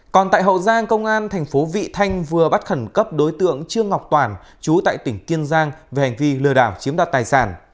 còn tại hậu giang công an tp vị thanh vừa bắt khẩn cấp đối tượng trương ngọc toàn chú tại tỉnh tiên giang về hành vi lừa đảo chiếm đặt tài sản